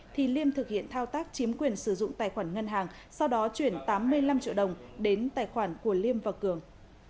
thì liêm thực hiện thao tác chiếm quyền sử dụng tài khoản ngân hàng sau đó chuyển tám mươi năm triệu đồng đến tài khoản của liêm và cường